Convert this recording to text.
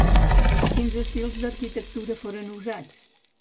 Quins estils d'arquitectura foren usats?